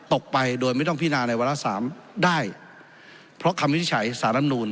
ไปโดยไม่ต้องพินาในวาระสามได้เพราะคำวินิจฉัยสารนูล